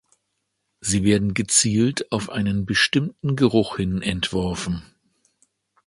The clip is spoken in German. Sie werden gezielt auf einen bestimmten Geruch hin entworfen.